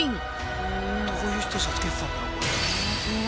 どういう人たちがつけてたんだろうこれ。